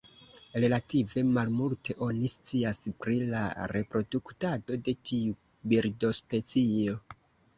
Relative malmulte oni scias pri la reproduktado de tiu birdospecio.